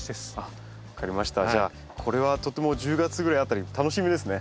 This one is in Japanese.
じゃあこれはとっても１０月ぐらい辺り楽しみですね。